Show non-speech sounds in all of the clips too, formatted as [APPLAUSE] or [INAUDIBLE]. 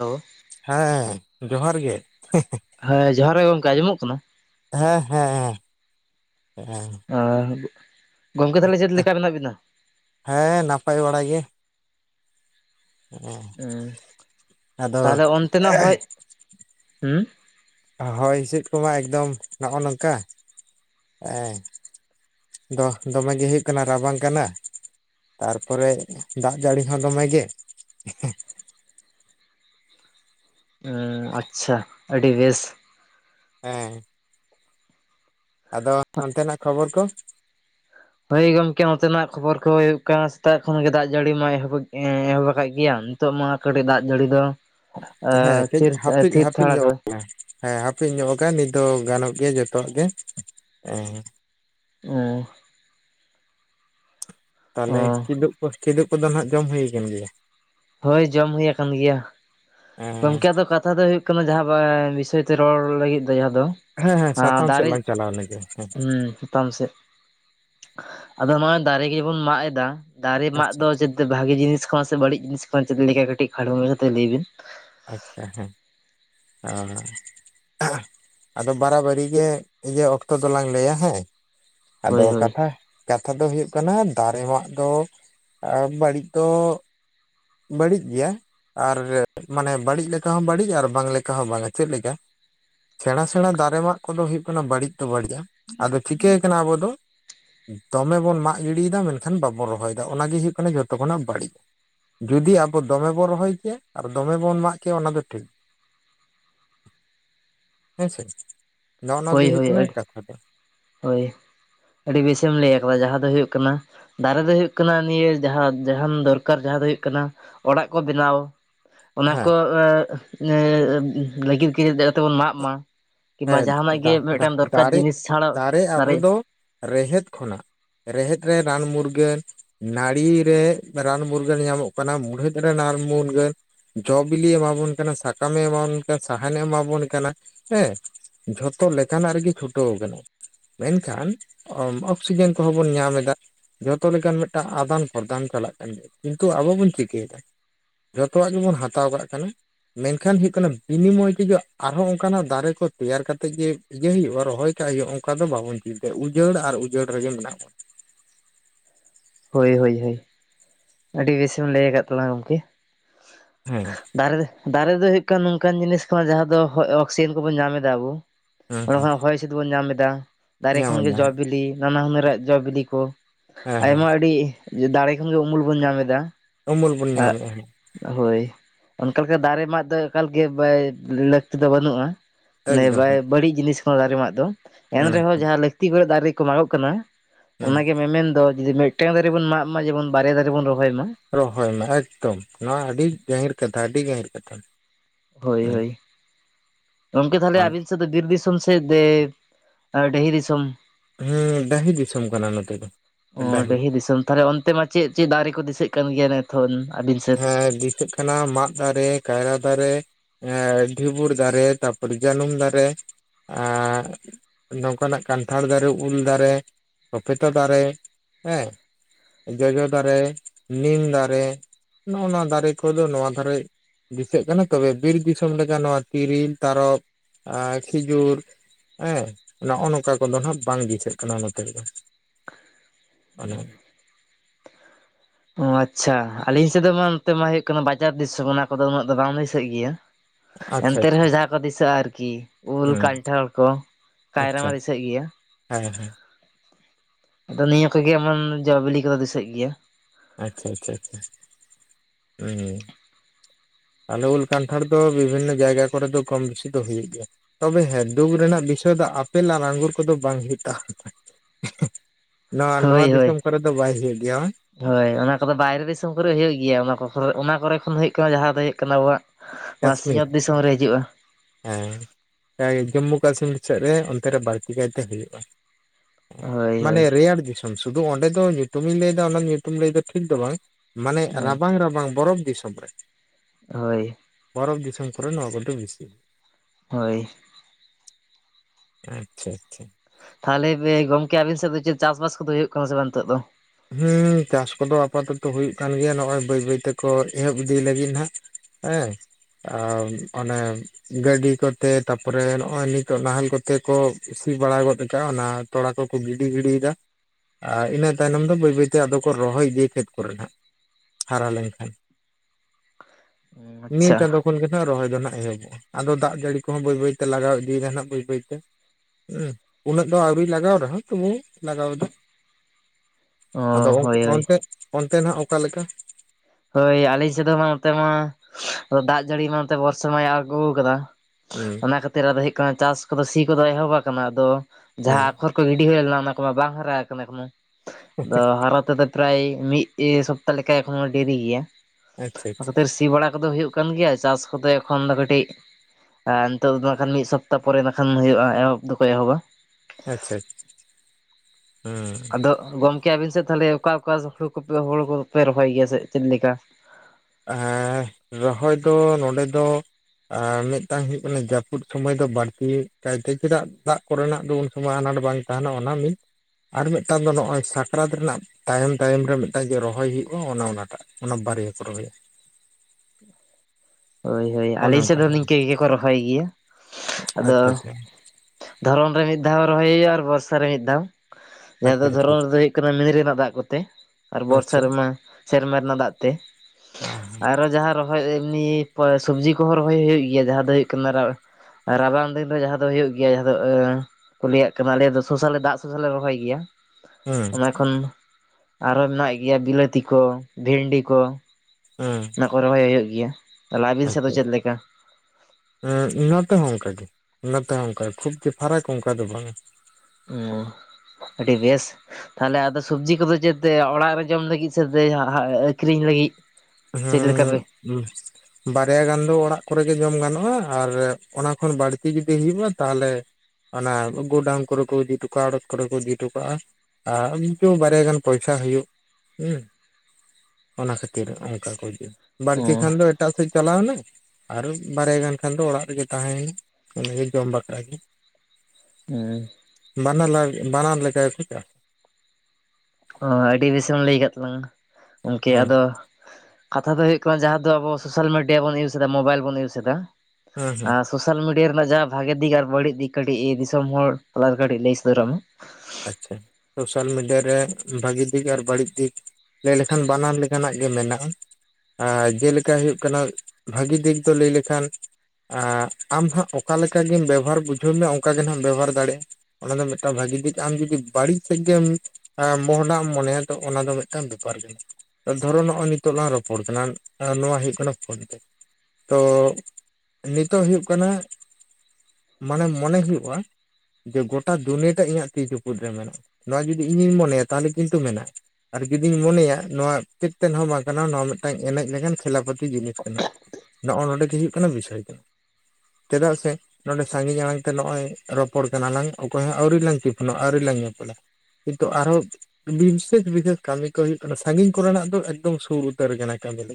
Hello. ᱦᱮᱸ ᱡᱚᱦᱟᱨ ᱜᱮ ᱾ [INAUDIBLE] ᱦᱮᱸ ᱡᱚᱦᱟᱨ ᱜᱮ ᱜᱚᱝᱠᱮ, ᱟᱸᱡᱚᱢᱚᱜ ᱠᱟᱱᱟ? ᱦᱮᱸ ᱦᱮᱸ [INAUDIBLE] ᱦᱮᱸ ᱾ [INAUDIBLE] ᱜᱚᱝᱠᱮ ᱛᱟᱦᱟᱞᱮ ᱪᱮᱫ ᱞᱮᱠᱟ ᱢᱮᱱᱟᱜ ᱵᱤᱱᱟ? ᱦᱮᱸ ᱱᱟᱯᱟᱭ ᱵᱟᱲᱟ ᱜᱮ ᱾ ᱦᱩᱸ ᱾ [INAUDIBLE] ᱟᱫᱚ ᱛᱟᱦᱟᱞᱮ ᱚᱱᱛᱮᱱᱟᱜ ᱦᱚᱭ [INAUDIBLE] ᱦᱩᱸ ᱦᱳᱭ ᱦᱤᱥᱤᱫ ᱠᱚᱢᱟ ᱮᱠᱫᱚᱢ ᱱᱚᱜᱚ ᱱᱚᱝᱠᱟ ᱾ [INAUDIBLE] ᱦᱮᱸ ᱾ ᱟᱫᱚ ᱫᱚᱢᱮ ᱜᱮ ᱦᱩᱭᱩᱜ ᱠᱟᱱᱟ ᱨᱟᱵᱟᱝ ᱠᱟᱱᱟ ᱾ ᱛᱟᱨᱯᱚᱨᱮ ᱫᱟᱜ ᱡᱟᱹᱲᱤ ᱦᱚᱸ ᱫᱚᱢᱮ ᱜᱮ ᱾ [INAUDIBLE] ᱦᱩᱸ ᱟᱪᱪᱷᱟ ᱟᱹᱰᱤ ᱵᱮᱥ ᱾ ᱦᱮᱸ ᱾ ᱟᱫᱚ ᱚᱱᱛᱮᱱᱟᱜ ᱠᱷᱚᱵᱚᱨ ᱠᱚ ᱾ ᱦᱳᱭ ᱜᱚᱢᱠᱮ ᱱᱚᱛᱮᱱᱟᱜ ᱠᱷᱚᱵᱚᱨ ᱠᱚ ᱦᱩᱭᱩᱜ ᱠᱟᱱᱟ ᱥᱮᱛᱟᱜ ᱠᱷᱚᱱ ᱜᱮ ᱫᱟᱜ ᱡᱟᱹᱲᱤ ᱢᱟ ᱮᱦᱚᱵ ᱮᱦᱚᱵ ᱟᱠᱟᱫ ᱜᱮᱭᱟ ᱾ ᱱᱤᱛᱚᱜ ᱢᱟ ᱠᱟᱹᱴᱤᱡ ᱫᱟᱜ ᱡᱟᱹᱲᱤ ᱫᱚ ᱮ ᱛᱷᱤᱨ ᱛᱷᱟᱨ ᱟᱠᱟᱫᱟ ᱾ ᱦᱮ ᱦᱮ ᱦᱟᱯᱤᱫ ᱧᱚᱜ ᱟᱠᱟᱫ ᱱᱤᱛ ᱫᱚ ᱜᱟᱱᱚᱜ ᱜᱮᱭᱟ ᱡᱚᱛᱚᱣᱟᱜ ᱜᱮ ᱾ [INAUDIBLE] ᱦᱮ ᱾ ᱚ ᱾ ᱛᱟᱦᱚᱞᱮ ᱠᱤᱫᱩᱜ ᱠᱚ ᱠᱤᱫᱩᱜ ᱠᱚᱫᱚ ᱦᱟᱸᱜ ᱡᱚᱢ ᱦᱳᱭ ᱟᱠᱟᱱ ᱜᱮᱭᱟ ᱾ ᱦᱳᱭ ᱡᱚᱢ ᱦᱩᱭ ᱟᱠᱟᱱ ᱜᱮᱭᱟ ‍᱾ ᱦᱮᱸ ᱜᱚᱢᱠᱮ ᱟᱫᱚ ᱠᱟᱛᱷᱟ ᱫᱚ ᱦᱩᱭᱩᱜ ᱠᱟᱱᱟ ᱡᱟᱦᱟᱸ ᱵᱤᱥᱚᱭ ᱛᱮ ᱨᱚᱲ ᱞᱟᱜᱤᱫ ᱫᱚ ᱡᱟᱦᱟᱸ ᱫᱚ ᱦᱮᱸ ᱦᱮᱸ ᱟᱨ ᱥᱟᱛᱟᱢ ᱥᱮᱫ ᱫᱟᱨᱮ ᱞᱟᱝ ᱪᱟᱞᱟᱣ ᱞᱮᱱᱜᱮ ᱦᱮᱸ [INAUDIBLE] ᱦᱩᱸ ᱪᱮᱛᱟᱱ ᱥᱮᱫ ᱟᱫᱚ ᱱᱚᱜ-ᱚᱭ ᱫᱟᱨᱮ ᱜᱮᱵᱚᱱ ᱢᱟᱜ ᱮᱫᱟ ᱾ ᱫᱟᱨᱮ ᱢᱟᱜ ᱟᱪᱪᱷᱟ ᱫᱚ ᱪᱮᱫ ᱵᱷᱟᱜᱤ ᱡᱤᱱᱤᱥ ᱠᱟᱱᱟ ᱥᱮ ᱵᱟᱹᱲᱤᱡ ᱡᱤᱱᱤᱥ ᱠᱟᱱᱟ ᱪᱮᱫ ᱞᱮᱠᱟ ᱠᱟᱹᱴᱤᱡ ᱠᱷᱟᱴᱚ ᱢᱟᱪᱷᱟ ᱛᱮ ᱞᱟᱹᱭ ᱵᱤᱱ ᱾ ᱟᱪᱪᱷᱟ ᱦᱮᱸ ᱾ [INAUDIBLE] ᱟᱨ [INAUDIBLE] ᱟᱫᱚ ᱵᱟᱨᱟ ᱵᱟᱨᱤ ᱜᱮ ᱤᱭᱟᱹ ᱚᱠᱛᱚ ᱫᱚᱞᱟᱝ ᱞᱟᱹᱭᱟ ᱦᱮᱸ ᱾ ᱟᱫᱚ ᱦᱳᱭ ᱦᱳᱭ ᱠᱟᱛᱷᱟ ᱠᱟᱛᱷᱟ ᱫᱚ ᱦᱩᱭᱩᱜ ᱠᱟᱱᱟ ᱫᱟᱨᱮ ᱢᱟᱜ ᱫᱚ ᱵᱟᱲᱤᱡ ᱫᱚ ᱵᱟᱲᱤᱡ ᱜᱮᱭᱟ ᱟᱨ ᱢᱟᱱᱮ ᱵᱟᱲᱤᱡ ᱞᱮᱠᱟ ᱦᱚᱸ ᱵᱟᱲᱤᱡ ᱟᱨ ᱵᱟᱝ ᱞᱮᱠᱟ ᱦᱚᱸ ᱵᱟᱝ ᱪᱮᱫ ᱞᱮᱠᱟ ᱥᱮᱬᱟ ᱥᱮᱬᱟ ᱫᱟᱨᱮ ᱢᱟᱜ ᱠᱚᱫᱚ ᱦᱩᱭᱩᱜ ᱠᱟᱱᱟ ᱵᱟᱹᱲᱤᱡ ᱵᱟᱲᱤᱡᱟ ᱾ ᱟᱫᱚ ᱪᱤᱠᱟᱹ ᱟᱠᱟᱱᱟ ᱟᱵᱚ ᱫᱚ ᱫᱚᱢᱮ ᱵᱚᱱ ᱢᱟᱜ ᱜᱤᱰᱤᱭ ᱮᱫᱟ ᱢᱮᱱᱠᱷᱟᱱ ᱵᱟᱵᱚᱱ ᱨᱚᱦᱚᱭ ᱮᱫᱟ ᱾ ᱚᱱᱟ ᱜᱮ ᱦᱳᱭᱳᱜ ᱠᱟᱱᱟ ᱡᱷᱚᱛᱚ ᱠᱷᱚᱱᱟᱜ ᱵᱟᱹᱲᱤᱡ ᱾ ᱡᱩᱫᱤ ᱟᱵᱚ ᱫᱚᱢᱮ ᱵᱚᱱ ᱨᱚᱦᱚᱭ ᱠᱮᱭᱟ ᱟᱨ ᱫᱚᱢᱮ ᱵᱚᱱ ᱢᱟᱜ ᱠᱮᱭᱟ ᱚᱱᱟ ᱫᱚ ᱴᱷᱤᱠ ᱾ [INAUDIBLE] ᱦᱮᱸ ᱥᱮ ᱾ ᱦᱳᱭ ᱦᱳᱭ ᱦᱳᱭ [INAUDIBLE] ᱦᱳᱭ [INAUDIBLE] ᱟᱹᱰᱤ ᱵᱮᱥ ᱮᱢ ᱞᱟᱹᱭ ᱟᱠᱟᱫᱟ ᱡᱟᱦᱟᱸ ᱫᱚ ᱦᱩᱭᱩᱜ ᱠᱟᱱᱟ ᱫᱟᱨᱮ ᱫᱚ ᱦᱩᱭᱩᱜ ᱠᱟᱱᱟ ᱱᱤᱭᱟᱹ ᱡᱟᱦᱟᱸ ᱡᱟᱦᱟᱱ ᱫᱚᱨᱠᱟᱨ ᱡᱟᱦᱟᱸ ᱫᱚ ᱦᱩᱭᱩᱜ ᱠᱟᱱᱟ ᱚᱲᱟᱜ ᱠᱚ ᱵᱮᱱᱟᱣ ᱚᱱᱟ ᱦᱮᱸ ᱠᱚ [INAUDIBLE] ᱞᱟᱹᱜᱤᱫ ᱛᱮ ᱵᱚᱱ ᱢᱟᱜ ᱢᱟ ᱾ ᱦᱮᱸ ᱫᱟᱨᱮ ᱡᱤᱱᱤᱥ ᱪᱷᱟᱲᱟ ᱫᱟᱨᱮ ᱟᱵᱚ ᱫᱚ ᱨᱮᱦᱮᱫ ᱠᱷᱚᱱᱟᱜ ᱨᱮᱦᱮᱫ ᱨᱮ ᱨᱟᱱ ᱢᱩᱨᱜᱟᱹᱱ ᱱᱟᱹᱲᱤ ᱨᱮ ᱨᱟᱱ ᱢᱩᱨᱜᱟᱹᱱ ᱧᱟᱢᱚᱜ ᱠᱟᱱᱟ ᱢᱩᱲᱦᱟᱹᱫ ᱨᱮ ᱨᱟᱱ ᱢᱩᱨᱜᱟᱹᱱ ᱡᱚ ᱵᱤᱞᱤᱭ ᱮᱢᱟ ᱵᱚᱱ ᱠᱟᱱᱟ ᱥᱟᱠᱟᱢ ᱮ ᱮᱢᱟ ᱵᱚᱱ ᱠᱟᱱᱟ ᱥᱟᱦᱟᱱ ᱮ ᱮᱢᱟ ᱵᱚᱱ ᱠᱟᱱᱟ ᱦᱮᱸ ᱾ ᱡᱷᱚᱛᱚ ᱞᱮᱠᱟᱱᱟᱜ ᱨᱮᱜᱮ ᱪᱷᱩᱴᱟᱹᱣ ᱟᱠᱟᱱᱟᱭ ᱾ ᱢᱮᱱᱠᱷᱟᱱ ᱚᱠᱥᱤᱡᱮᱱ ᱠᱚᱦᱚᱸ ᱵᱚᱱ ᱧᱟᱢ ᱮᱫᱟ ᱾ ᱡᱷᱚᱛᱚ ᱞᱮᱠᱟᱱ ᱢᱤᱫᱴᱟᱝ ᱟᱫᱟᱱ ᱯᱨᱚᱫᱟᱱ ᱪᱟᱞᱟᱜ ᱠᱟᱱ ᱜᱮᱭᱟ ᱠᱤᱱᱛᱩ ᱟᱵᱚ ᱵᱚᱱ ᱪᱤᱠᱟᱹᱭᱮᱫᱟ ᱡᱚᱛᱚᱣᱟᱜ ᱜᱮᱵᱚᱱ ᱦᱟᱛᱟᱣ ᱠᱟᱜ ᱠᱟᱱᱟ ᱾ ᱢᱮᱱᱠᱷᱟᱱ ᱦᱳᱭᱳᱜ ᱠᱟᱱᱟ ᱵᱤᱱᱤᱢᱚᱭ ᱛᱮ ᱟᱨᱦᱚᱸ ᱚᱱᱠᱟᱱᱟᱜ ᱫᱟᱨᱮ ᱠᱚ ᱛᱮᱭᱟᱨ ᱠᱟᱛᱮᱜ ᱜᱮ ᱤᱭᱟᱹ ᱦᱩᱭᱩᱜ-ᱟ ᱨᱚᱦᱚᱭ ᱠᱟᱜ ᱦᱩᱭᱩᱜ-ᱟ ᱚᱱᱠᱟ ᱫᱚ ᱵᱟᱵᱚᱱ ᱪᱮᱫ ᱫᱟ ᱩᱡᱟᱹᱲ ᱟᱨ ᱩᱡᱟᱹᱲ ᱨᱮᱜᱮ ᱢᱮᱱᱟᱜ ᱵᱚᱱᱟ ᱾ ᱦᱳᱭ ᱦᱳᱭ ᱦᱳᱭ᱾ ᱟᱹᱰᱤ ᱵᱮᱥᱮᱢ ᱞᱟᱹᱭ ᱟᱠᱟᱫ ᱛᱟᱞᱟᱝᱟ ᱜᱚᱝᱠᱮ, ᱦᱮᱸ ᱫᱟᱨᱮ ᱨᱮ ᱫᱟᱨᱮ ᱫᱚ ᱦᱳᱭᱳᱜ ᱠᱟᱱᱟ ᱱᱚᱝᱠᱟᱱ ᱡᱤᱱᱤᱥ ᱠᱟᱱᱟ ᱡᱟᱦᱟᱸ ᱫᱚ ᱚᱠᱥᱤᱡᱮᱱ ᱠᱚᱵᱚᱱ ᱧᱟᱢ ᱮᱫᱟ ᱟᱵᱚ, ᱦᱮᱸ ᱚᱱᱰᱮ ᱦᱮᱸ ᱠᱷᱚᱱ ᱦᱚᱭ ᱵᱚᱱ ᱧᱟᱢ ᱮᱫᱟ, ᱫᱟᱨᱮ ᱠᱷᱚᱱᱜᱮ ᱧᱟᱢᱮᱫᱟ ᱡᱚ ᱦᱮᱸ ᱵᱤᱞᱤ ᱱᱟᱱᱟᱦᱩᱱᱟᱹᱨᱟᱜ ᱡᱚ ᱵᱤᱞᱤ ᱠᱚ᱾ ᱦᱮᱸ ᱟᱭᱢᱟ ᱦᱮᱸ ᱟᱹᱰᱤ ᱫᱟᱲᱮ ᱠᱷᱚᱱᱜᱮ ᱩᱢᱩᱞ ᱵᱚᱱ ᱧᱟᱢ ᱮᱫᱟ᱾ ᱩᱢᱩᱞ ᱵᱚᱱ ᱧᱟᱢᱮᱜ-ᱟ᱾ ᱦᱳᱭ, ᱚᱱᱠᱟ ᱞᱮᱠᱟ ᱫᱟᱨᱮ ᱢᱟᱜ ᱫᱚ ᱮᱠᱟᱞᱜᱮ ᱵᱟᱭ ᱞᱟᱹᱠᱛᱤ ᱫᱚ ᱵᱟᱹᱱᱩᱜ-ᱟ᱾ ᱱᱮ ᱮᱠᱫᱚᱢ ᱵᱟᱭ ᱵᱟᱹᱲᱤᱡ ᱡᱤᱱᱤᱥ ᱦᱚᱸ ᱫᱟᱨᱮ ᱢᱟᱜ ᱫᱚ ᱮᱱ ᱦᱮᱸ ᱨᱮᱦᱚᱸ ᱡᱟᱦᱟᱸ ᱞᱟᱹᱠ ᱛᱤ ᱠᱚᱨᱮ ᱫᱟᱨᱮ ᱠᱚ ᱢᱟᱜᱚᱜ ᱠᱟᱱᱟ ᱦᱮᱸ ᱚᱱᱟᱜᱮ ᱢᱮᱢᱮᱱ ᱫᱚ ᱡᱩᱫᱤ ᱢᱤᱫᱴᱟᱝ ᱫᱟᱨᱮ ᱵᱚᱱ ᱢᱟᱜ ᱢᱟ ᱡᱮᱢᱚᱱ ᱵᱟᱨᱭᱟ ᱫᱟᱨᱮ ᱵᱚᱱ ᱨᱚᱦᱚᱭ ᱢᱟ᱾ ᱨᱚᱦᱚᱭ ᱢᱟ ᱮᱠᱫᱚᱢ ᱱᱚᱣᱟ ᱟᱹᱰᱤ ᱜᱟᱹᱦᱤᱨ ᱠᱟᱛᱷᱟ ᱟᱹᱰᱤ ᱜᱟᱹᱦᱤᱨ ᱠᱟᱛᱷᱟ᱾ ᱦᱮᱸ ᱦᱳᱭ ᱦᱳᱭ, ᱜᱚᱝᱠᱮ ᱛᱟᱦᱞᱮ ᱦᱮᱸ ᱟᱹᱵᱤᱱ ᱵᱤᱨ ᱫᱤᱥᱚᱢ ᱥᱮᱜ ᱫᱮ ᱰᱟᱹᱦᱤ ᱫᱤᱥᱚᱢ? ᱦᱩᱸ, ᱰᱟᱹᱦᱤ ᱫᱤᱥᱚᱢ ᱠᱟᱱᱟ ᱱᱚᱛᱮ ᱫᱚ ᱚ ᱰᱟᱹᱦᱤ᱾ ᱫᱤᱥᱚᱢ ᱛᱟᱦᱚᱞᱮ ᱚᱱᱛᱮ ᱢᱟ ᱪᱮᱫ ᱪᱮᱫ ᱫᱟᱨᱮ ᱠᱚ ᱫᱤᱥᱟᱹᱜ ᱠᱟᱱ ᱜᱮᱭᱟ ᱱᱤᱛ ᱠᱷᱚᱱ ᱟᱹᱰᱤ ᱦᱮᱸ ᱫᱤᱥᱟᱹᱜ ᱠᱟᱱᱟ ᱢᱟᱫ ᱫᱟᱨᱮ, ᱠᱟᱭᱨᱟ ᱫᱟᱨᱮ, ᱦᱮᱸ ᱰᱷᱤᱵᱩᱨ ᱫᱟᱨᱮ, ᱛᱟᱨᱯᱚᱨᱮ ᱡᱟᱹᱱᱩᱢ ᱫᱟᱨᱮ ᱟᱨ ᱱᱚᱝᱠᱟᱱᱟᱜ ᱠᱟᱱᱴᱷᱟᱲ ᱫᱟᱨᱮ, ᱩᱞ ᱫᱟᱨᱮ, ᱥᱚᱯᱮᱛᱟ ᱫᱟᱨᱮ, ᱦᱮᱸ᱾ ᱡᱚᱡᱚ ᱫᱟᱨᱮ, ᱱᱤᱢ ᱫᱟᱨᱮ, ᱱᱚᱜ-ᱱᱚᱣᱟ ᱱᱚᱣᱟ ᱫᱟᱨᱮ ᱠᱚᱫᱚ ᱱᱚᱣᱟ ᱫᱷᱟᱨᱮ ᱫᱤᱥᱟᱹᱜ ᱠᱟᱱᱟ, ᱛᱚᱵᱮ ᱵᱤᱨ ᱫᱤᱥᱚᱢ ᱞᱮᱠᱟ ᱱᱚᱣᱟ ᱛᱤᱨᱤᱞ ᱛᱟᱨᱚᱵ ᱮ ᱠᱷᱤᱡᱩᱨ ᱦᱮᱸ ᱱᱚᱜ ᱱᱚᱝᱠᱟ ᱠᱚᱫᱚ ᱦᱟᱸᱜ ᱵᱟᱝ ᱫᱤᱥᱟᱹᱜ ᱠᱟᱱᱟ ᱱᱚᱛᱮ ᱨᱮᱫᱚ᱾ [UNINTELLIGIBLE] ᱚ ᱟᱪᱪᱷᱟ, ᱟᱞᱤᱧ ᱥᱮᱫ ᱫᱚ ᱢᱟ ᱱᱚᱛᱮ ᱢᱟ ᱦᱩᱭᱩᱜ ᱠᱟᱱᱟ ᱵᱟᱡᱟᱨ ᱫᱤᱥᱚᱢ ᱚᱱᱟ ᱠᱚᱫᱚ ᱩᱱᱟᱹᱜ ᱫᱚ ᱵᱟᱝ ᱫᱤᱥᱟᱹᱜ ᱜᱮᱭᱟ᱾ ᱟᱪᱪᱷᱟ ᱮᱱᱛᱮ ᱟᱪᱪᱷᱟ ᱨᱮᱦᱚᱸ ᱡᱟᱦᱟᱸ ᱠᱚ ᱫᱤᱥᱟᱹᱜᱼᱟ ᱟᱨᱠᱤ ᱩᱞ ᱦᱩᱸ ᱠᱟᱱᱴᱷᱟᱲ ᱠᱚ᱾ ᱠᱟᱭᱨᱟ ᱟᱪᱪᱷᱟ ᱢᱟ ᱫᱤᱥᱟᱹᱜ ᱜᱮᱭᱟ᱾ ᱦᱮᱸ ᱦᱮᱸ᱾ ᱟᱫᱚ ᱱᱤᱭᱟᱹ ᱠᱚᱜᱮ ᱮᱢᱚᱱ ᱡᱚ ᱵᱤᱞᱤ ᱠᱚᱫᱚ ᱫᱤᱥᱟᱹᱜ ᱜᱮᱭᱟ᱾ ᱟᱪᱪᱷᱟ ᱟᱪᱪᱷᱟ ᱟᱪᱪᱷᱟ ᱦᱩᱸ᱾ ᱟᱞᱮ ᱩᱞ ᱠᱟᱱᱴᱷᱟᱲ ᱫᱚ ᱵᱤᱵᱷᱤᱱᱱᱚ ᱡᱟᱭᱜᱟ ᱠᱚᱨᱮ ᱫᱚ ᱠᱚᱢ ᱵᱮᱥᱤ ᱫᱚ ᱦᱩᱭᱩᱜ ᱜᱮᱭᱟ᱾ ᱛᱚᱵᱮ ᱦᱮᱸ ᱰᱩᱝ ᱨᱮᱱᱟᱜ ᱵᱤᱥᱚᱭ ᱫᱚ ᱟᱯᱮᱞ ᱟᱨ ᱟᱜᱩᱨ ᱠᱚᱫᱚ ᱵᱟᱝ ᱦᱤᱛᱟ᱾ ᱱᱚᱣᱟ, ᱱᱚᱣᱟ ᱦᱳᱭ ᱦᱳᱭ ᱫᱤᱥᱚᱢ ᱠᱚᱨᱮ ᱫᱚ ᱵᱟᱭ ᱦᱩᱭᱩᱜ ᱜᱮᱭᱟ ᱵᱟᱝ? ᱦᱳᱭ, ᱚᱱᱟ ᱠᱚᱫᱚ ᱵᱟᱭᱨᱮ ᱫᱤᱥᱚᱢ ᱠᱚᱨᱮ ᱦᱩᱭᱩᱜ ᱜᱮᱭᱟ᱾ ᱚᱱᱟ ᱠᱚ ᱠᱚᱨᱮ ᱚᱱᱟ ᱠᱚᱨᱮ ᱠᱷᱚᱱ ᱫᱚ ᱦᱩᱭᱩᱜ ᱠᱟᱱᱟ ᱡᱟᱦᱟᱸ ᱫᱚ ᱦᱩᱭᱩᱜ ᱠᱟᱱᱟ ᱟᱵᱚᱣᱟᱜ ᱚᱱᱟ ᱠᱟᱥᱢᱤᱨ ᱥᱤᱧᱚᱛ ᱫᱤᱥᱚᱢ ᱨᱮ ᱦᱤᱡᱩᱜᱼᱟ᱾ ᱦᱮᱸ, ᱡᱚᱢᱢᱩ ᱠᱟᱥᱢᱤᱨ ᱥᱮᱫ ᱨᱮ ᱚᱱᱛᱮ ᱨᱮ ᱵᱟᱹᱲᱛᱤ ᱠᱟᱭᱛᱮ ᱦᱩᱭᱩᱜᱼᱟ᱾ ᱦᱳᱭ ᱢᱟᱱᱮ ᱦᱳᱭ ᱨᱮᱭᱟᱲ ᱫᱤᱥᱚᱢ ᱥᱩᱫᱷᱩ ᱚᱸᱰᱮ ᱫᱚ ᱧᱩᱛᱩᱢᱤᱧ ᱞᱟᱹᱭᱫᱟ ᱚᱱᱟ ᱧᱩᱛᱩᱢ ᱞᱟᱹᱭ ᱫᱚ ᱴᱷᱤᱠ ᱫᱚ ᱵᱟᱝ, ᱢᱟᱱᱮ ᱦᱳᱭ ᱨᱟᱵᱟᱝ ᱨᱟᱵᱟᱝ ᱵᱚᱨᱚᱯ ᱫᱤᱥᱚᱢ ᱨᱮ᱾ ᱦᱳᱭ᱾ ᱯᱚᱨᱚᱵᱽ ᱫᱤᱥᱚᱢ ᱠᱚᱨᱮ ᱱᱚᱣᱟ ᱠᱚᱫᱚ ᱵᱮᱥᱤ᱾ ᱦᱳᱭ᱾ ᱟᱪᱪᱷᱟ ᱟᱪᱪᱷᱟ᱾ ᱛᱟᱦᱞᱮ ᱵᱮᱭ ᱜᱚᱝᱠᱮ ᱟᱵᱤᱱ ᱥᱮᱫ ᱫᱚ ᱪᱮᱫ ᱪᱟᱥᱵᱟᱥ ᱠᱚᱫᱚ ᱦᱩᱭᱩᱜ ᱠᱟᱱᱟ ᱥᱮ ᱵᱟᱝ ᱱᱤᱛᱚᱜ ᱫᱚ? ᱦᱩᱸ ᱪᱟᱥ ᱠᱚᱫᱚ ᱟᱯᱟᱛᱚᱛᱚ ᱦᱩᱭᱩᱜ ᱠᱟᱱ ᱜᱮᱭᱟ ᱱᱚᱜᱼᱚᱭ ᱵᱟᱹᱭ ᱵᱟᱹᱭ ᱛᱮᱠᱚ ᱮᱦᱚᱵ ᱤᱫᱤᱭ ᱞᱟᱹᱜᱤᱱ ᱦᱟᱸᱜ᱾ ᱦᱮᱸ᱾ ᱟᱨ ᱚᱱᱮ ᱜᱟᱹᱰᱤ ᱠᱚᱛᱮ, ᱛᱟᱯᱚᱨᱮ ᱱᱚᱜᱼᱚᱭ ᱱᱤᱛᱚᱜ ᱱᱟᱦᱮᱞ ᱠᱚᱛᱮ ᱠᱚ ᱥᱤ ᱵᱟᱲᱟ ᱜᱚᱫ ᱟᱠᱟᱜᱼᱟ, ᱚᱱᱟ ᱛᱚᱲᱟ ᱠᱚᱠᱚ ᱜᱤᱰᱤ ᱜᱤᱰᱤᱭᱮᱫᱟ ᱟᱨ ᱤᱱᱟᱹ ᱛᱟᱭᱱᱚᱢ ᱫᱚ ᱵᱟᱹᱭ ᱵᱟᱹᱭᱛᱮ ᱟᱫᱚ ᱠᱚ ᱨᱚᱦᱚᱭ ᱤᱫᱤᱭ ᱠᱷᱮᱫ ᱠᱚᱨᱮ ᱱᱟᱜ ᱦᱟᱨᱟ ᱞᱮᱱᱠᱷᱟᱡ᱾ ᱟᱪᱪᱷᱟ ᱱᱤᱭᱟᱹ ᱪᱟᱸᱫᱚ᱾ ᱩᱱ ᱜᱮᱛ ᱨᱚᱦᱚᱭ ᱫᱚ ᱱᱟᱦᱟᱸᱜ ᱮᱦᱚᱵᱚᱜᱼᱟ᱾ ᱟᱫᱚ ᱫᱟᱜ ᱡᱟᱹᱲᱤ ᱠᱚᱦᱚᱸ ᱵᱟᱹᱭ ᱵᱟᱹᱭ ᱛᱮ ᱞᱟᱜᱟᱣ ᱤᱫᱤᱭ ᱫᱟ ᱱᱟᱦᱟᱸᱜ ᱵᱟᱹᱭ ᱵᱟᱹᱭᱛᱮ᱾ ᱦᱩᱸ᱾ ᱩᱱᱟᱹᱜ ᱫᱚ ᱟᱹᱣᱨᱤ ᱞᱟᱜᱟᱣ ᱨᱮᱦᱚᱸ ᱛᱚᱵᱩ ᱞᱟᱜᱟᱣ ᱮᱫᱟ᱾ ᱚ ᱟᱫᱚ ᱚᱝ ᱦᱳᱭ ᱦᱳᱭ ᱚᱱᱛᱮ, ᱚᱱᱛᱮᱱ ᱦᱟᱸᱜ ᱚᱠᱟᱞᱮᱠᱟ? ᱦᱳᱭ ᱟᱞᱤᱧ ᱥᱮᱫ ᱢᱟ ᱱᱚᱛᱮ ᱢᱟ, ᱟᱫᱚ ᱫᱟᱜ ᱡᱟᱹᱲᱤ ᱢᱟ ᱱᱚᱛᱮ ᱵᱚᱨᱥᱟ ᱢᱟᱭ ᱟᱬᱜᱩ ᱟᱠᱟᱫᱟ᱾ ᱦᱩᱸ ᱚᱱᱟ ᱠᱷᱟᱹᱛᱤᱨ ᱟᱫᱚ ᱦᱩᱭᱩᱜ ᱠᱟᱱᱟ ᱪᱟᱥ ᱠᱚᱫᱚ ᱥᱤ ᱠᱚᱫᱚ ᱮᱦᱚᱵ ᱟᱠᱟᱱᱟ᱾ ᱟᱫᱚ ᱦᱩᱸ ᱡᱟᱦᱟᱸ ᱟᱯᱷᱚᱨ ᱜᱤᱰᱤ ᱦᱩᱭ ᱞᱮᱱᱟ ᱚᱱᱟ ᱠᱚᱢᱟ ᱵᱟᱝ ᱦᱟᱨᱟ ᱠᱟᱱᱟ ᱮᱠᱷᱚᱱᱚ᱾ ᱟᱫᱚ ᱦᱟᱨᱟ ᱱᱚᱛᱮ ᱫᱚ ᱯᱨᱟᱭ ᱢᱤᱫ ᱮ ᱥᱚᱯᱛᱟᱦ ᱞᱮᱠᱟ ᱮᱠᱷᱚᱱ ᱰᱮᱨᱤ ᱜᱮᱭᱟ᱾ ᱟᱪᱪᱷᱟ ᱟᱪᱪᱷᱟ ᱱᱚᱛᱮᱨ ᱥᱤ ᱵᱟᱲᱟ ᱠᱚᱫᱚ ᱦᱩᱭᱩᱜ ᱠᱟᱱ ᱜᱮᱭᱟ᱾ ᱪᱟᱥ ᱠᱚᱫᱚ ᱮᱠᱷᱚᱱ ᱫᱚ ᱠᱟᱹᱴᱤᱡ ᱟᱨ ᱱᱤᱛᱚᱜ ᱫᱚ ᱠᱷᱟᱱ ᱢᱤᱫ ᱥᱚᱯᱛᱟᱦ ᱯᱚᱨᱮ ᱮ ᱠᱷᱟᱱ ᱦᱩᱭᱩᱜᱼᱟ ᱮᱦᱚᱵ ᱫᱚᱠᱚ ᱮᱦᱚᱵᱼᱟ᱾ ᱟᱪᱪᱷᱟ ᱟᱪᱪᱷᱟ, ᱦᱩᱸ᱾ ᱟᱫᱚ ᱜᱚᱝᱠᱮ ᱟᱵᱤᱱ ᱥᱮᱫ ᱛᱟᱦᱚᱞᱮ ᱚᱠᱟ ᱚᱠᱟ ᱦᱩᱲᱩ ᱠᱚᱯᱮ ᱦᱩᱲ ᱠᱚᱫᱚ ᱯᱮ ᱨᱚᱦᱚᱭ ᱜᱮᱭᱟ, ᱥᱮ ᱪᱮᱫ ᱞᱮᱠᱟ? ᱦᱮᱸᱻ, ᱨᱚᱦᱚᱭ ᱫᱚ ᱱᱚᱰᱮ ᱫᱚ ᱮᱸ ᱢᱤᱫᱴᱟᱝ ᱦᱩᱭᱩᱜ ᱠᱟᱱᱟ, ᱡᱟᱹᱯᱩᱫ ᱥᱚᱢᱚᱭ ᱫᱚ ᱵᱟᱹᱲᱛᱤ ᱠᱟᱭᱛᱮ ᱪᱮᱫᱟᱜ ᱫᱟᱜ ᱠᱚᱨᱮᱱᱟᱜ ᱫᱚ ᱩᱱ ᱥᱚᱢᱚᱭ ᱟᱱᱟᱴ ᱵᱟᱝ ᱛᱟᱦᱮᱱᱟ ᱚᱱᱟ ᱢᱤᱫ ᱟᱨ ᱢᱤᱫᱴᱟᱝ ᱫᱚ ᱱᱚᱜᱼᱚᱭ ᱥᱟᱠᱨᱟᱛ ᱨᱮᱱᱟᱜ ᱛᱟᱭᱚᱢ ᱛᱟᱭᱚᱢ ᱨᱮ ᱢᱤᱫᱴᱟᱝ ᱡᱮ ᱨᱚᱦᱚᱭ ᱦᱩᱭᱩᱜᱼᱟ ᱚᱱᱟ ᱚᱱᱟᱴᱟᱜ ᱚᱱᱟ ᱵᱟᱨᱭᱟᱹ ᱠᱚ ᱨᱚᱦᱚᱭᱼᱟ᱾ ᱦᱳᱭ ᱦᱳᱭ ᱚᱱᱮ ᱟᱞᱤᱧ ᱥᱮᱫ ᱚᱱᱠᱟ ᱫᱚ ᱱᱤᱝᱠᱟᱹ ᱜᱮᱠᱚ ᱨᱚᱦᱚᱭ ᱜᱮᱭᱟ᱾ ᱟᱫᱚ ᱟᱪᱪᱷᱟ ᱟᱪᱪᱷᱟ ᱫᱷᱚᱨᱚᱱ ᱨᱮ ᱢᱤᱫ ᱫᱷᱟᱣ ᱨᱚᱦᱚᱭ ᱦᱩᱭᱩᱜᱼᱟ ᱟᱨ ᱵᱚᱨᱥᱟ ᱨᱮ ᱢᱤᱫ ᱫᱷᱟᱣ᱾ ᱡᱟᱦᱟᱸ ᱫᱚ ᱟᱪᱪᱷᱟ ᱟᱪᱪᱷᱟ ᱫᱷᱚᱨᱚᱱ ᱨᱮᱫᱚ ᱦᱩᱭᱩᱜ ᱠᱟᱱᱟ ᱢᱤᱱᱤ ᱨᱮᱱᱟᱜ ᱫᱟᱜ ᱠᱚᱛᱮ᱾ ᱟᱨ ᱵᱚᱨᱥᱟ ᱟᱪᱪᱷᱟ ᱨᱮᱢᱟ ᱥᱮᱨᱢᱟ ᱨᱮᱱᱟᱜ ᱫᱟᱜ ᱛᱮ᱾ ᱟᱨᱚ ᱡᱟᱦᱟᱸ ᱨᱚᱦᱚᱭ ᱮᱢᱱᱤ ᱥᱚᱵᱽᱡᱤ ᱠᱚᱦᱚᱸ ᱨᱚᱦᱚᱭ ᱦᱩᱭᱩᱜ ᱜᱮᱭᱟ᱾ ᱡᱟᱦᱟᱸ ᱫᱚ ᱦᱩᱭᱩᱜ ᱠᱟᱱᱟ ᱨᱟᱵᱟᱝ ᱫᱤᱱ ᱨᱮ ᱡᱟᱦᱟᱸ ᱫᱚ ᱦᱩᱭᱩᱜ ᱜᱮᱭᱟ᱾ ᱡᱟᱦᱟᱸ ᱫᱚ ᱟᱸ ᱠᱚᱞᱤᱭᱟᱜ ᱠᱟᱱᱟ ᱞᱮ, ᱟᱞᱮ ᱫᱚ ᱥᱚᱥᱟᱞᱮ ᱫᱟᱜ ᱥᱚᱥᱟᱞᱮ ᱨᱚᱦᱚᱭ ᱜᱮᱭᱟ᱾ ᱦᱩᱸ ᱚᱱᱟ ᱠᱷᱚᱱ ᱟᱨᱦᱚᱸ ᱢᱮᱱᱟᱜ ᱜᱮᱭᱟ ᱵᱤᱞᱟᱹᱛᱤ ᱠᱚ ᱵᱷᱮᱱᱰᱤ ᱠᱚ᱾ ᱦᱩᱸ᱾ ᱚᱱᱟ ᱠᱚ ᱨᱚᱦᱚᱭ ᱦᱩᱭᱩᱜ ᱜᱮᱭᱟ᱾ ᱛᱟᱦᱚᱞᱮ ᱟᱵᱤᱱ ᱥᱮᱫ ᱫᱚ ᱪᱮᱫ ᱞᱮᱠᱟ? ᱩᱸ ᱱᱚᱛᱮ ᱦᱚᱸ ᱚᱱᱠᱟ ᱜᱮ ᱱᱟᱹᱛᱮ ᱦᱚᱸ ᱚᱱᱠᱟᱮ ᱠᱷᱩᱵ ᱜᱮ ᱯᱷᱟᱨᱟᱠ ᱚᱱᱠᱟ ᱫᱚ ᱵᱟᱝᱼᱟ᱾ ᱩᱸᱟᱸ, ᱟᱹᱰᱤ ᱵᱮᱥ᱾ ᱛᱟᱦᱚᱞᱮ ᱟᱫᱚ ᱥᱚᱵᱡᱤ ᱠᱚᱫᱚ ᱪᱮᱫᱛᱮ, ᱚᱲᱟᱜ ᱨᱮ ᱡᱚᱢ ᱞᱟᱹᱜᱤᱫ ᱥᱮ ᱟᱹᱠᱷᱨᱤᱧ ᱞᱟᱹᱜᱤᱫ? ᱪᱮᱫ ᱞᱮᱠᱟ ᱦᱮᱸᱻ ᱯᱮ ᱩᱸ᱾ ᱵᱟᱨᱭᱟ ᱜᱟᱱ ᱫᱚ ᱚᱲᱟᱜ ᱠᱚᱨᱮᱜᱮ ᱡᱚᱢ ᱜᱟᱱᱚᱜᱼᱟ᱾ ᱟᱨ ᱚᱱᱟ ᱠᱷᱚᱱ ᱵᱟᱹᱲᱛᱤ ᱡᱩᱫᱤ ᱦᱳᱭᱩᱜᱼᱟ᱾ ᱛᱟᱦᱚᱞᱮ ᱚᱱᱟ ᱜᱳᱰᱟᱩᱱ ᱠᱚᱨᱮ ᱠᱚ ᱤᱫᱤ ᱦᱚᱴᱚ ᱠᱟᱜᱼᱟ ᱟᱲᱚᱛ ᱠᱚᱨᱮ ᱠᱚ ᱤᱫᱤ ᱦᱚᱴᱚ ᱠᱟᱜᱼᱟ᱾ ᱟᱨ ᱩᱱᱤ ᱫᱚ ᱵᱟᱨᱭᱟ ᱜᱟᱱ ᱯᱚᱭᱥᱟ ᱦᱩᱭᱩᱜ ᱦᱩᱸ, ᱚᱱᱟ ᱠᱷᱟᱹᱛᱤᱨ᱾ ᱯᱚᱭᱥᱟ ᱠᱚ ᱦᱚᱭᱚᱜ, ᱚ ᱵᱟᱲᱛᱤ ᱠᱷᱟᱱ ᱫᱚ ᱮᱴᱟᱜ ᱥᱮ ᱪᱟᱞᱟᱣᱱᱟ᱾ ᱟᱨ ᱩ ᱵᱟᱨᱭᱟ ᱜᱟᱱ ᱠᱷᱟᱱ ᱫᱚ ᱚᱲᱟᱜ ᱨᱮᱜᱮ ᱛᱟᱦᱮᱭᱮᱱᱟ, ᱤᱱᱟᱹ ᱜᱮ ᱡᱚᱢ ᱵᱟᱠᱷᱨᱟ ᱜᱮ᱾ ᱦᱮᱸ᱾ [UNINTELLIGIBLE] ᱵᱟᱱᱟᱨ ᱞᱮᱠᱟ ᱜᱮ ᱠᱚ ᱪᱟᱥᱼᱟ᱾ ᱚ ᱟᱹᱰᱤ ᱵᱮᱥ ᱮᱢ ᱞᱟᱹᱭ ᱠᱟᱫ ᱛᱟᱞᱟᱝᱼᱟ᱾ ᱜᱚᱢᱠᱮ ᱦᱩᱸ ᱟᱫᱚ ᱠᱟᱛᱷᱟ ᱫᱚ ᱦᱩᱭᱩᱜ ᱠᱟᱱᱟ ᱡᱟᱦᱟᱸ ᱫᱚ ᱟᱵᱚ ᱥᱳᱥᱟᱞ ᱢᱤᱰᱤᱭᱟ ᱵᱚᱱ ᱤᱭᱩᱥ ᱮᱫᱟ ᱢᱳᱵᱟᱭᱤᱞ ᱵᱚᱱ ᱤᱭᱩᱡ ᱮᱫᱟ᱾ ᱦᱩᱸ ᱦᱩᱸ ᱟᱸ ᱥᱳᱥᱟᱞ ᱢᱤᱰᱤᱭᱟ ᱨᱮᱱᱟᱜ ᱡᱟᱦᱟᱸ ᱵᱷᱟᱜᱮ ᱫᱤᱠ ᱟᱨ ᱵᱟᱹᱲᱤᱡ ᱫᱤᱠ ᱠᱟᱹᱴᱤᱡ ᱫᱤᱥᱚᱢ ᱦᱚᱲ ᱛᱟᱞᱟᱨᱮ ᱠᱟᱹᱴᱤᱡ ᱞᱟᱹᱭ ᱥᱚᱫᱚᱨ ᱟᱜ ᱢᱮ᱾ ᱟᱪᱪᱷᱟ, ᱥᱳᱥᱟᱞ ᱢᱤᱰᱤᱭᱟ ᱨᱮ ᱵᱷᱟᱹᱜᱤ ᱫᱤᱠ ᱟᱨ ᱵᱟᱹᱲᱤᱡ ᱫᱤᱠ᱾ ᱞᱟᱹᱭ ᱞᱮᱠᱷᱟᱱ ᱵᱟᱱᱟᱨ ᱞᱮᱠᱟᱱᱟᱜ ᱜᱮ ᱢᱮᱱᱟᱜᱼᱟ᱾ ᱟᱨ ᱡᱮᱞᱮᱠᱟ ᱦᱩᱭᱩᱜ ᱠᱟᱱᱟ ᱵᱷᱟᱹᱜᱤ ᱫᱤᱠ ᱫᱚ ᱞᱟᱹᱭ ᱞᱮᱠᱷᱟᱱ ᱟᱸᱻ ᱟᱢ ᱦᱟᱸᱜ ᱚᱠᱟ ᱞᱮᱠᱟ ᱜᱮᱢ ᱵᱮᱵᱚᱦᱟᱨ ᱵᱩᱡᱷᱟᱹᱣ ᱢᱮ ᱚᱝᱠᱟ ᱜᱮ ᱱᱟᱦᱟᱜ ᱮᱢ ᱵᱮᱵᱚᱦᱟᱨ ᱫᱟᱲᱮᱭᱟᱜᱼᱟ, ᱚᱱᱟ ᱫᱚ ᱢᱤᱫᱴᱟᱝ ᱵᱷᱟᱹᱜᱤ ᱫᱤᱠ᱾ ᱟᱢ ᱡᱩᱫᱤ ᱵᱟᱹᱲᱤᱡ ᱥᱮᱫ ᱜᱮᱢ, ᱢᱚᱦᱚᱰᱟᱜ ᱮᱢ ᱢᱚᱱᱮᱭᱟ ᱛᱚ ᱚᱱᱟ ᱫᱚ ᱢᱤᱫᱴᱟᱝ ᱵᱮᱯᱟᱨ [INAUDIBLE] ᱫᱷᱚᱨᱚ ᱱᱚᱜᱼᱚᱭ ᱱᱤᱛᱚᱜ ᱞᱟᱝ ᱨᱚᱯᱚᱲ ᱠᱟᱱᱟ, ᱱᱚᱣᱟ ᱦᱩᱭᱩᱜ ᱠᱟᱱᱟ ᱯᱷᱳᱱ ᱛᱮ, ᱛᱚ, ᱱᱤᱛᱳᱜ ᱦᱩᱭᱩᱜ ᱠᱟᱱᱟ ᱢᱟᱱᱮ ᱢᱚᱱᱮ ᱦᱩᱭᱩᱜᱼᱟ ᱡᱮ ᱜᱚᱴᱟ ᱫᱩᱱᱤᱭᱟᱹ ᱴᱟᱜ ᱤᱧᱟᱜ ᱛᱤ ᱪᱩᱯᱩᱫ ᱨᱮ ᱢᱮᱱᱟᱜᱼᱟ, ᱱᱚᱣᱟ ᱡᱩᱫᱤ ᱤᱧᱤᱧ ᱢᱚᱱᱮᱭᱟ ᱛᱟᱦᱚᱞᱮ ᱠᱤᱱᱛᱩ ᱢᱮᱱᱟᱜ-ᱟ, ᱟᱨ ᱡᱩᱫᱤᱧ ᱢᱚᱱᱮᱭᱟ ᱱᱚᱣᱟ ᱪᱮᱫ ᱛᱮᱫ ᱦᱚᱸ ᱵᱟᱝ ᱠᱟᱱᱟ ᱱᱚᱣᱟ ᱢᱤᱫᱴᱟᱝ ᱮᱱᱮᱡ ᱞᱮᱠᱟᱱ ᱠᱷᱮᱞᱟᱯᱟᱛᱤ ᱡᱤᱱᱤᱥ ᱠᱟᱱᱟ᱾ ᱱᱚᱜᱼᱚ ᱱᱚᱰᱮ ᱜᱮ ᱦᱩᱭᱩᱜ ᱠᱟᱱᱟ ᱵᱤᱥᱚᱭ ᱫᱚ᱾ ᱪᱮᱫᱟᱜ ᱥᱮ, ᱱᱚᱸᱰᱮ ᱥᱟᱺᱜᱤᱧ ᱟᱲᱟᱝ ᱛᱮ ᱱᱚᱜ-ᱚᱭ ᱨᱚᱯᱚᱲ ᱠᱟᱱᱟ ᱞᱟᱝ ᱚᱠᱚᱭ ᱦᱚᱸ ᱟᱹᱣᱨᱤ ᱞᱟᱝ ᱪᱤᱯ ᱮᱠᱷᱚᱱᱳ ᱟᱹᱣᱨᱤ ᱞᱟᱝ ᱧᱮᱯᱚᱞᱟ, ᱠᱤᱱᱛᱩ ᱟᱨᱦᱚᱸ ᱵᱤᱥᱮᱥ ᱵᱤᱥᱮᱥ ᱠᱟᱹᱢᱤ ᱠᱚ ᱦᱩᱭᱩᱜ ᱠᱟᱱᱟ ᱥᱟᱺᱜᱤᱧ ᱠᱚ ᱨᱮᱱᱟᱜ ᱫᱚ ᱮᱠᱫᱚᱢ ᱥᱩᱨ ᱩᱛᱟᱹᱨ ᱟᱠᱟᱱᱟ ᱠᱟᱹᱢᱤ ᱫᱚ᱾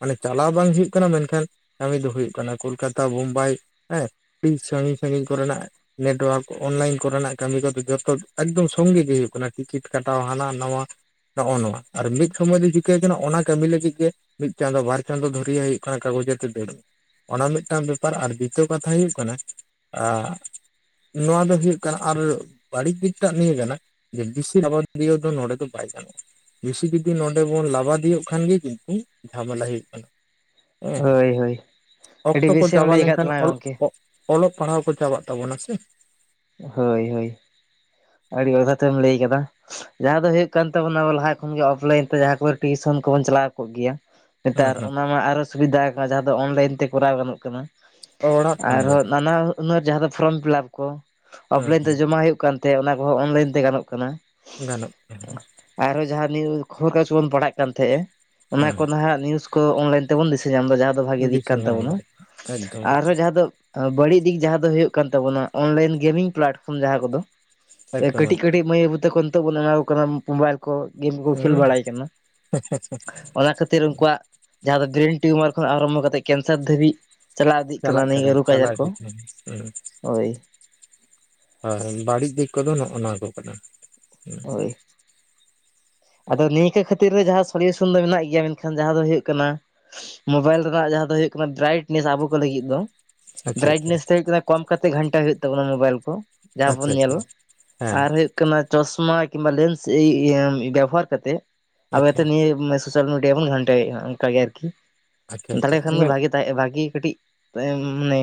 ᱢᱟᱱᱮ ᱪᱟᱞᱟᱣ ᱵᱟᱝ ᱦᱩᱭᱩᱜ ᱠᱟᱱᱟ ᱢᱮᱱᱠᱷᱟᱱ ᱠᱟᱹᱢᱤ ᱫᱚ ᱦᱩᱭᱩᱜ ᱠᱟᱱᱟ ᱠᱳᱞᱠᱟᱛᱟ, ᱵᱳᱢᱵᱟᱭ, ᱦᱮᱸ [UNINTELLIGIBLE] ᱥᱟᱺᱜᱤᱧ ᱥᱟᱺᱜᱤᱧ ᱠᱚ ᱨᱮᱱᱟᱜ ᱱᱮᱴᱣᱟᱨᱠ ᱚᱱᱞᱟᱭᱤᱱ ᱠᱚ ᱨᱮᱱᱟᱜ ᱠᱟᱹᱢᱤ ᱠᱚ ᱜᱮ ᱡᱚᱛᱚ ᱮᱠᱫᱚᱢ ᱥᱚᱝᱜᱮ ᱜᱮ ᱦᱩᱭᱩᱜ ᱠᱟᱱᱟ ᱴᱤᱠᱤᱴ ᱠᱟᱴᱟᱣ ᱦᱟᱱᱟ ᱱᱟᱣᱟ᱾ ᱱᱚᱜᱼᱚ ᱱᱚᱣᱟ ᱟᱨ ᱢᱤᱫ ᱥᱚᱢᱚᱭ ᱫᱚ ᱪᱤᱠᱟᱹ ᱚᱱᱟ ᱠᱟᱹᱢᱤ ᱞᱟᱹᱜᱤᱫ ᱜᱮ ᱢᱤᱫ ᱪᱟᱸᱫᱚ ᱵᱟᱨ ᱪᱟᱸᱫᱚ ᱫᱷᱩᱨᱭᱟᱹ ᱦᱩᱭᱩᱜ ᱠᱟᱱᱟ ᱠᱟᱜᱚᱡᱽ ᱟᱛᱮ ᱫᱟᱹᱲ ᱢᱮ ᱚᱱᱟ ᱢᱤᱫᱴᱟᱱ ᱵᱮᱯᱟᱨ ᱟᱨ ᱵᱤᱛᱤᱭᱚ ᱠᱟᱛᱷᱟ ᱦᱩᱭᱩᱜ ᱠᱟᱱᱟ ᱟᱻ ᱱᱚᱣᱟ ᱫᱚ ᱦᱩᱭᱩᱜ ᱠᱟᱱᱟ ᱟᱨ ᱵᱟᱹᱲᱤᱡ ᱫᱤᱠ ᱴᱟᱜ ᱱᱤᱭᱟᱹ ᱠᱟᱱᱟ, ᱡᱮ ᱵᱤᱥᱤ ᱟᱵᱟᱫᱤᱭ ᱫᱚ ᱱᱚᱰᱮ ᱫᱚ ᱵᱟᱭ ᱜᱟᱱᱚᱜᱼᱟ᱾ ᱵᱮᱥᱤ ᱡᱩᱫᱤ ᱱᱚᱰᱮ ᱵᱚᱱ ᱞᱟᱵᱟᱫᱤᱭᱳ ᱠᱷᱟᱱ ᱜᱮ ᱠᱤᱱᱛᱩ ᱡᱷᱟᱢᱮᱞᱟ ᱦᱩᱭᱩᱜ ᱠᱟᱱᱟ᱾ ᱦᱮᱸ᱾ ᱦᱳᱭ ᱦᱳᱭ ᱟᱹᱰᱤ ᱚᱠᱛᱚ ᱠᱚ ᱵᱮᱥᱮᱢ ᱪᱟᱵᱟ ᱞᱟᱹᱭ ᱟᱠᱟᱫ ᱞᱮᱱᱠᱷᱟᱱ ᱛᱟᱞᱟᱝᱟ ᱚᱞᱚᱜ ᱜᱚᱢᱠᱮ ᱚᱜ ᱚᱞᱚᱜ ᱯᱟᱲᱦᱟᱣ ᱠᱚ ᱪᱟᱵᱟᱜ ᱛᱟᱵᱚᱱᱟ ᱥᱮ᱾ ᱦᱳᱭ ᱦᱳᱭ, ᱟᱹᱰᱤ ᱡᱚᱛᱷᱟᱛ ᱮᱢ ᱞᱟᱹᱭ ᱠᱟᱫᱟ᱾ ᱡᱟᱦᱟᱸ ᱫᱚ ᱦᱩᱭᱩᱜ ᱠᱟᱱ ᱛᱟᱵᱚᱱᱟ ᱟᱵᱚ ᱞᱟᱦᱟ ᱠᱷᱚᱱ ᱜᱮ ᱚᱯᱷᱞᱟᱭᱤᱱ ᱛᱮ ᱡᱟᱦᱟᱸ ᱠᱚᱨᱮ ᱴᱤᱭᱩᱥᱚᱱ ᱠᱚᱵᱚᱱ ᱪᱟᱞᱟᱣ ᱠᱚᱜ ᱜᱮᱭᱟ, ᱱᱮᱛᱟᱨ ᱦᱮᱸ ᱦᱮᱸ ᱚᱱᱟ ᱢᱟ ᱟᱨᱚ ᱥᱩᱵᱤᱫᱷᱟ ᱟᱠᱟᱱᱟ ᱡᱟᱦᱟᱸ ᱫᱚ ᱚᱱᱞᱟᱭᱤᱱ ᱛᱮ ᱠᱚᱨᱟᱣ ᱜᱟᱱᱚᱜ ᱠᱟᱱᱟ᱾ ᱚᱲᱟᱜ ᱠᱷᱚᱱ ᱜᱮ ᱟᱨᱦᱚᱸ ᱦᱮᱸ ᱱᱟᱱᱟ ᱦᱩᱱᱟᱹᱨ ᱡᱟᱦᱟᱸ ᱫᱚ ᱯᱷᱨᱚᱢ ᱯᱷᱤᱞᱟᱯ ᱠᱚ, ᱚᱯᱞᱟᱭᱤᱱ ᱛᱮ ᱦᱮᱸ ᱡᱚᱢᱟ ᱦᱩᱭᱩᱜ ᱠᱟᱱ ᱛᱟᱦᱮᱸᱜ ᱚᱱᱟ ᱠᱚᱦᱚᱸ ᱚᱱᱞᱟᱭᱤᱱ ᱛᱮ ᱜᱟᱱᱚᱜ ᱠᱟᱱᱟ᱾ ᱜᱟᱱᱚᱜ ᱠᱟᱱᱟ ᱟᱨᱦᱚᱸ ᱡᱟᱦᱟᱸ ᱱᱤᱭᱩ ᱠᱷᱚᱵᱚᱨ ᱠᱟᱜᱡᱽ ᱠᱚ ᱵᱚᱱ ᱯᱟᱲᱦᱟᱜ ᱠᱟᱱ ᱛᱟᱦᱮᱸᱫᱼᱟ, ᱚᱱᱟ ᱠᱚ ᱦᱮᱸ ᱱᱟᱦᱟᱜ ᱱᱤᱭᱩᱡ ᱠᱚ ᱚᱱᱞᱟᱭᱤᱱ ᱛᱮᱵᱚᱱ ᱫᱤᱥᱟᱹ ᱧᱟᱢᱫᱟ ᱡᱟᱦᱟᱸ ᱫᱚ ᱵᱷᱟᱜᱤ ᱫᱤᱠ ᱫᱤᱥ ᱠᱟᱱ ᱧᱟᱢ ᱛᱟᱵᱚᱱᱟ, ᱫᱟᱭ ᱮᱠᱫᱚᱢ ᱟᱨᱦᱚᱸ ᱡᱟᱦᱟᱸ ᱫᱚ ᱵᱟᱹᱲᱤᱡ ᱫᱤᱠ ᱡᱟᱦᱟᱸ ᱫᱚ ᱦᱳᱭᱳᱜ ᱠᱟᱱ ᱛᱟᱵᱚᱱᱟ ᱚᱱᱞᱟᱭᱤᱱ ᱜᱮᱢᱤᱝ ᱯᱞᱟᱴᱯᱷᱚᱨᱚᱢ ᱡᱟᱦᱟᱸ ᱠᱚᱫᱚ᱾ ᱮᱠᱫᱚᱢ ᱮᱠᱫᱚᱢ ᱠᱟᱹᱴᱤᱡ ᱠᱟᱹᱴᱤᱡ ᱢᱟᱹᱭ ᱵᱟᱹᱵᱩ ᱛᱟᱠᱩ ᱱᱤᱛᱚᱜ ᱵᱩᱱ ᱮᱢᱟ ᱠᱚ ᱠᱟᱱᱟ ᱢᱳᱵᱟᱭᱮᱞ ᱠᱚ ᱜᱮᱢ ᱠᱚᱠᱚ ᱠᱷᱮᱞ ᱦᱮᱸ ᱵᱟᱲᱟᱭ ᱠᱟᱱᱟ᱾ ᱚᱱᱟ ᱠᱷᱟᱹᱛᱤᱨ ᱩᱱᱠᱩᱣᱟᱜ ᱡᱟᱦᱟᱸ ᱫᱚ ᱜᱨᱮᱱ ᱴᱤᱭᱩᱢᱟᱨ ᱠᱷᱚᱱ ᱟᱨᱟᱢᱵᱷᱚ ᱠᱟᱛᱮ ᱠᱮᱱᱥᱟᱨ ᱫᱷᱟᱹᱵᱤᱡ ᱪᱟᱞᱟᱣ ᱤᱫᱤᱜ ᱠᱟᱱᱟ ᱪᱟᱞᱟᱜ ᱱᱤᱭᱟᱹ ᱨᱳᱜᱽ ᱟᱡᱟᱨ ᱪᱟᱞᱟᱜ ᱠᱚ᱾ ᱤᱫᱤᱜ ᱠᱟᱱᱟ ᱦᱮᱸ ᱳᱭ ᱦᱳᱭ ᱵᱟᱹᱲᱤᱡ ᱫᱤᱠ ᱠᱚᱫᱚ ᱱᱚᱜᱼᱚ ᱱᱚᱣᱟ ᱠᱚ ᱠᱟᱱᱟ᱾ ᱦᱳᱭ᱾ ᱟᱫᱚ ᱱᱤᱭᱟᱹ ᱠᱟᱹ ᱠᱷᱟᱹᱛᱤᱨ ᱨᱮ ᱡᱟᱦᱟᱸ ᱥᱚᱞᱤᱭᱩᱥᱚᱱ ᱫᱚ ᱢᱮᱱᱟᱜ ᱜᱮᱭᱟ ᱢᱮᱱᱠᱷᱟᱱ ᱡᱟᱦᱟᱸ ᱫᱚ ᱦᱩᱭᱩᱜ ᱠᱟᱱᱟ ᱢᱳᱵᱟᱭᱤᱞ ᱨᱮᱱᱟᱜ ᱡᱟᱦᱟᱸ ᱫᱚ ᱦᱩᱭᱩᱜ ᱠᱟᱱᱟ ᱵᱨᱟᱭᱤᱴᱱᱮᱥ ᱟᱵᱚ ᱠᱚ ᱞᱟᱹᱜᱤᱫ ᱫᱚ, ᱟᱪᱪᱷᱟ ᱟᱪᱪᱷᱟ ᱵᱨᱟᱭᱴᱱᱮᱥ ᱛᱮ ᱦᱩᱭᱩᱜ ᱠᱟᱱᱟ ᱠᱚᱢ ᱠᱟᱛᱮ ᱜᱷᱟᱱᱴᱟ ᱦᱩᱭᱩᱜ ᱛᱟᱵᱚᱱ ᱚᱱᱟ ᱢᱳᱵᱟᱭᱤᱞ ᱠᱚ᱾ ᱡᱟ ᱦᱟᱸ ᱟᱪᱪᱷᱟ ᱵᱚᱱ ᱟᱪᱪᱷᱟ ᱧᱮᱞ, ᱦᱮᱸ ᱟᱨ ᱦᱩᱭᱩᱜ [UNINTELLIGIBLE] ᱪᱚᱥᱢᱟ ᱠᱤᱢᱵᱟ ᱞᱮᱱᱥ ᱤᱭᱟᱹ ᱵᱮᱵᱚᱦᱟᱨ ᱠᱟᱛᱮᱫ, ᱟᱪᱪᱷᱟ [UNINTELLIGIBLE] ᱱᱤᱭᱟᱹ ᱥᱳᱥᱟᱞ ᱢᱤᱰᱤᱭᱟ ᱵᱚᱱ ᱜᱷᱟᱱᱴᱟᱣᱮᱫᱼᱟ ᱚᱝᱠᱟᱜ ᱜᱮ ᱟᱨᱠᱤ, ᱟᱪᱪᱷᱟ ᱟᱪᱪᱷᱟ ᱫᱟᱲᱮᱭᱟᱜ ᱠᱷᱟᱱ ᱫᱚ ᱤᱱᱟᱹ ᱵᱷᱟᱜᱮ ᱛᱟᱦᱮᱜ ᱮ ᱵᱷᱟᱜᱤ ᱠᱟᱹᱴᱤᱡ ᱛᱚ ᱮᱢᱱᱤ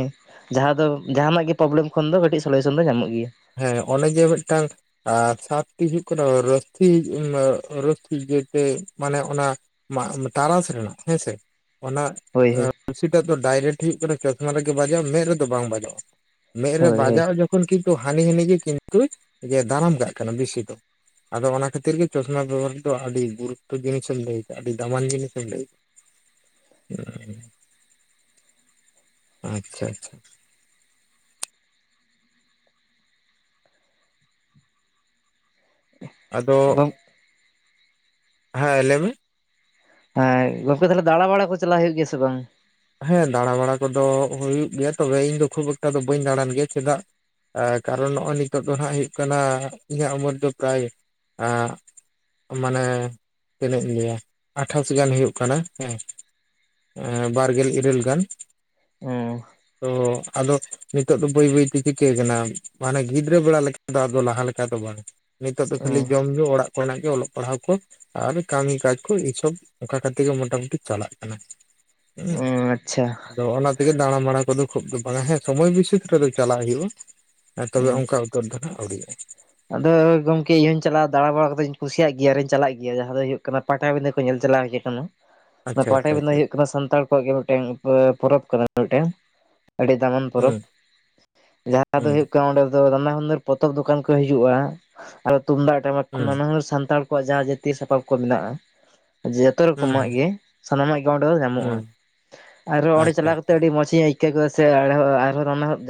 ᱡᱟᱦᱟᱸ ᱫᱚ ᱡᱟᱸᱦᱟᱱᱟᱜ ᱜᱮ ᱯᱨᱚᱵᱽᱞᱳᱢ ᱠᱷᱚᱱ ᱫᱚ ᱠᱟᱹᱴᱤᱡ ᱥᱚᱞᱦᱮᱥᱚᱱ ᱫᱚ ᱧᱟᱢᱚᱜ ᱜᱮᱭᱟ᱾ ᱦᱮᱸ ᱚᱱᱮ ᱡᱮ ᱢᱮᱫᱴᱟᱝ? ᱟᱨ ᱥᱟᱛ ᱴᱤ ᱦᱩᱭᱩᱜ ᱠᱟᱱᱟ, ᱨᱟᱹᱛᱷᱤᱼᱤᱡ ᱮ ᱢᱮ ᱨᱟᱹᱛᱷᱤ ᱡᱮᱴᱮ ᱢᱟᱱᱮ ᱚᱱᱟ ᱢᱟᱜ ᱢᱮ ᱴᱟᱨᱟᱥ ᱨᱮᱱᱟᱜ ᱦᱮᱸᱥᱮ ᱚᱱᱟ ᱦᱳᱭ ᱦᱳᱭ ᱟᱸ ᱟᱹᱨᱥᱤ ᱴᱟᱜ ᱫᱚ ᱰᱟᱭᱨᱮᱠᱴ ᱦᱤᱭᱩᱜ ᱠᱟᱱᱟ, ᱪᱚᱥᱢᱟ ᱨᱮᱜᱮ ᱵᱟᱡᱟᱜᱼᱟ ᱢᱮᱫ ᱨᱮᱫᱚ ᱵᱟᱝ ᱵᱟᱡᱟᱜᱼᱟ? ᱢᱮᱫ ᱨᱮ ᱦᱳᱭ ᱦᱳᱭ ᱵᱟᱡᱟᱣ ᱡᱚᱜᱠᱷᱚᱱ ᱠᱤᱱᱛᱩ ᱦᱟᱹᱱᱤ ᱦᱟᱹᱱᱤ ᱜᱮ ᱠᱤᱱᱛᱩᱭ ᱡᱮ ᱫᱟᱨᱟᱢ ᱠᱟᱜ ᱠᱟᱱᱟ ᱵᱮᱥᱤ ᱫᱚ᱾ ᱟᱫᱚ ᱚᱱᱟ ᱠᱷᱟᱹᱛᱤᱨ ᱜᱮ ᱪᱚᱥᱢᱟ ᱵᱮᱵᱚᱦᱟᱨ ᱫᱚ ᱟᱹᱰᱤ ᱜᱩᱨᱩᱛᱚ ᱡᱤᱱᱤᱥ ᱮᱢ ᱞᱟᱹᱭ ᱟᱠᱟᱜᱼᱟ ᱟᱹᱰᱤ ᱫᱟᱢᱟᱱ ᱡᱤᱱᱤᱥ ᱮᱢ ᱞᱟᱹᱭ ᱦᱩᱸ, ᱟᱪᱪᱷᱟ ᱟᱪᱪᱷᱟ᱾ ᱟᱫᱚ ᱦᱮᱸ ᱞᱟᱹᱭ ᱢᱮ? ᱦᱮᱸ ᱜᱚᱝᱠᱮ ᱛᱟᱦᱮᱞᱮ ᱫᱟᱬᱟ ᱵᱟᱲᱟ ᱠᱚ ᱪᱟᱞᱟᱣ ᱦᱩᱭᱩᱜ ᱜᱮᱭᱟ ᱥᱮ ᱵᱟᱝ? ᱦᱮᱸ ᱫᱟᱬᱟ ᱵᱟᱬᱟ ᱠᱚᱫᱚ ᱦᱩᱭᱩᱜ ᱜᱮᱭᱟ ᱛᱚᱵᱮ ᱤᱧ ᱫᱚ ᱠᱷᱩᱵᱽ ᱮᱠᱴᱟ ᱫᱚ ᱵᱟᱹᱧ ᱫᱟᱬᱟᱱ ᱜᱮᱭᱟ ᱪᱮᱫᱟᱜ? ᱮᱸ ᱠᱟᱨᱚᱱ ᱱᱚᱜᱼᱚᱭ ᱱᱤᱛᱚᱜ ᱫᱚ ᱱᱷᱟᱸᱜ ᱦᱩᱭᱩᱜ ᱠᱟᱱᱟ ᱤᱧᱟᱹᱜ ᱩᱢᱚᱨ ᱫᱚ ᱯᱨᱟᱭ ᱟᱸ ᱟᱸ ᱢᱟᱱᱮ ᱛᱤᱱᱟᱹ ᱤᱧ ᱞᱟᱹᱭ ᱼᱟ, ᱟᱸᱴᱷᱟᱼᱤᱥ ᱜᱟᱱ ᱦᱩᱭᱩᱜ ᱠᱟᱱᱟ ᱦᱮᱸ, ᱮᱸ ᱵᱟᱨ ᱜᱮᱞ ᱤᱨᱟᱹᱞ ᱜᱟᱱ᱾ ᱚ ᱛᱚ ᱟᱫᱚ ᱱᱤᱛᱚᱜ ᱫᱚ ᱵᱟᱹᱭ ᱵᱟᱹᱭ ᱛᱮ ᱪᱤᱠᱟᱹ ᱦᱟᱠᱟᱱᱟ ᱢᱟᱱᱮ ᱜᱤᱫᱽᱨᱟᱹ ᱵᱮᱲᱟ ᱞᱮᱠᱟ ᱫᱚ ᱟᱫᱚ ᱞᱟᱦᱟ ᱞᱮᱠᱟ ᱫᱚ ᱵᱟᱝ᱾ ᱱᱤᱛᱚᱜ ᱫᱚ ᱠᱷᱟᱹᱞᱤ ᱡᱚᱢ ᱧᱩᱸ ᱚᱲᱟᱜ ᱠᱚᱨᱮᱱᱟᱜ ᱜᱮ ᱚᱞᱚᱜ ᱯᱟᱲᱦᱟᱣ ᱠᱚ ᱟᱨ ᱠᱟᱹᱢᱤ ᱠᱟᱡᱽ ᱠᱚ ᱤ ᱥᱚᱵᱽ ᱚᱸᱠᱟ ᱠᱟᱛᱮ ᱜᱮ ᱢᱚᱴᱟᱢᱩᱴᱤ ᱪᱟᱞᱟᱜ ᱠᱟᱱᱟ᱾ ᱩᱸ ᱚ ᱟᱪᱪᱷᱟ ᱟᱫᱚ ᱚᱱᱟ ᱛᱮᱜᱮ ᱫᱟᱬᱟ ᱵᱟᱬᱟ ᱠᱚᱫᱚ ᱠᱷᱩᱵ ᱫᱚ ᱵᱟᱝᱟ ᱦᱮᱸ- ᱥᱚᱢᱚᱭ ᱵᱤᱥᱟᱹᱛ ᱨᱮᱫᱚ ᱪᱟᱞᱟᱜ ᱦᱩᱭᱩᱜᱼᱟ, ᱮᱸ ᱛᱚᱵᱮ ᱦᱩᱸ ᱚᱸᱠᱟ ᱩᱛᱟᱹᱨ ᱫᱚ ᱱᱷᱟᱸᱜ ᱟᱹᱣᱨᱤᱭᱟᱜᱼᱟ᱾ ᱟᱫᱚ ᱜᱚᱝᱠᱮ ᱤᱧ ᱦᱚᱸᱧ ᱪᱟᱞᱟᱣ ᱫᱟᱬᱟ ᱵᱟᱲᱟ ᱠᱚᱫᱚᱻᱧ ᱠᱩᱥᱤᱭᱟᱜ ᱜᱮᱭᱟ ᱟᱨᱤᱧ ᱪᱟᱞᱟᱜ ᱜᱮᱭᱟ, ᱡᱟᱦᱟᱸ ᱫᱚ ᱦᱩᱭᱩᱜ ᱠᱟᱱᱟ ᱯᱟᱴᱟ ᱵᱤᱸᱫᱷᱟᱹ ᱠᱚ ᱧᱮᱞ ᱪᱟᱞᱟᱣ ᱦᱩᱭ ᱭᱟᱠᱟᱱᱟ, ᱚᱱᱟ ᱟᱪᱪᱷᱟ ᱟᱪᱪᱷᱟ ᱯᱟᱴᱟ ᱵᱤᱸᱫᱷᱟᱹ ᱟᱪᱪᱷᱟ ᱦᱩᱭᱩᱜ ᱠᱟᱱᱟ ᱥᱟᱱᱛᱟᱲ ᱠᱚᱣᱟᱜ ᱜᱮ ᱢᱤᱫᱴᱟᱹᱝ ᱮᱸᱯ ᱯᱚᱨᱚᱵᱽ ᱠᱟᱱᱟ ᱢᱤᱫᱴᱟᱹᱝ᱾ ᱟᱹᱰᱤ ᱫᱟᱢᱟᱱ ᱯᱚᱨᱚᱵᱽ ᱦᱩᱸ ᱾ ᱡᱟᱦᱟᱸ ᱫᱚ ᱦᱩᱸ ᱦᱩᱭᱩᱜ ᱠᱟᱱᱟ ᱚᱸᱰᱮ ᱫᱚ ᱫᱟᱱᱟ ᱦᱩᱱᱟᱹᱨ ᱯᱚᱛᱚᱵ ᱫᱚᱠᱟᱱ ᱠᱚ ᱦᱤᱡᱩᱜᱼᱟ ᱟᱨᱚ ᱛᱩᱢᱫᱟᱜ ᱴᱟᱢᱟᱠ ᱠᱷᱚᱱ ᱦᱩᱸ ᱱᱟᱱᱟ ᱦᱩᱱᱟᱹᱨ ᱥᱟᱱᱛᱟᱲ ᱠᱚᱣᱟᱜ ᱡᱟᱦᱟᱸ ᱡᱟᱹᱛᱤᱭᱟᱹ ᱥᱟᱯᱟᱵ ᱠᱚ ᱢᱮᱱᱟᱜᱼᱟ, ᱡᱟᱹ- ᱛᱚ ᱦᱩᱸ ᱨᱚᱠᱚᱢᱟᱜ ᱦᱩᱸ ᱜᱮ ᱥᱟᱱᱟᱢᱟᱜ ᱜᱮ ᱚᱸᱰᱮ ᱫᱚ ᱦᱩᱸ ᱧᱟᱢᱚᱜᱼᱟ᱾ᱟᱨᱦᱚᱸ ᱚᱸᱰᱮ ᱟᱪᱪᱷᱟ ᱪᱟᱞᱟᱣ ᱟᱪᱪᱷᱟ ᱠᱟᱛᱮ ᱟᱹᱰᱤ ᱢᱚᱸᱪ ᱤᱧ ᱟᱹᱭ- ᱠᱟᱹᱣ ᱠᱮᱫᱟ ᱥᱮ ᱟᱲᱚ ᱟᱨᱦᱚᱸ ᱫᱚᱢᱮ ᱦᱚ ᱡᱟᱹᱥ-